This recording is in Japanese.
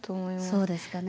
そうですかね。